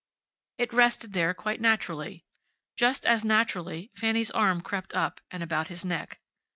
It rested there quite naturally. Just as naturally Fanny's arm crept up, and about his neck.